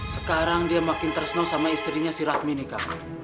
sekarang dia makin tersenuh sama istrinya si radmini kang